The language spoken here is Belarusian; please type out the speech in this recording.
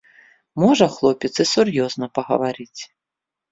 Можа хлопец і сур'ёзна пагаварыць.